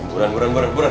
buruan buruan buruan